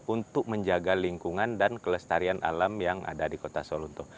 untuk menjaga lingkungan dan kelestarian alam yang ada di kota solonto